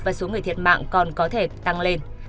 và số người thiệt mạng còn có thể tăng lên